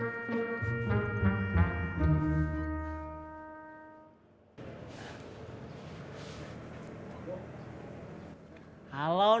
kau mau menunggu enabling